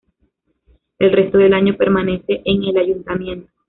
El resto del año permanece en el Ayuntamiento.